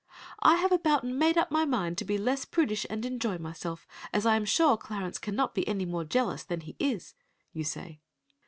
"I have about made up my mind to be less prudish and enjoy myself, as I am sure Clarence cannot be any more jealous than he is," you say.